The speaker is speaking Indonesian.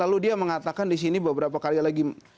lalu dia mengatakan di sini beberapa kali lagi